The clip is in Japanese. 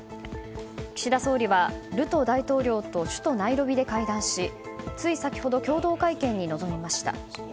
岸田総理はルト大統領と首都ナイロビで会談し、つい先ほど共同会見に臨みました。